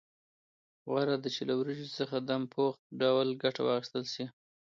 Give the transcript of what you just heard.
غوره ده چې له وریجو څخه دم پوخ ډول ګټه واخیستل شي.